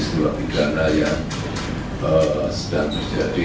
keberangan keberangan yang sedang terjadi